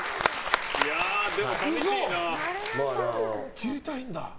切りたいんだ。